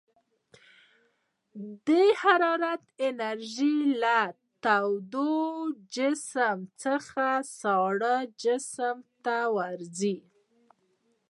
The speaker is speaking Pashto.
د حرارتي انرژي له تود جسم څخه ساړه جسم ته ورځي.